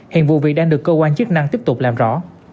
hiện vụ việc đang được cơ quan chức năng tiếp tục làm rõ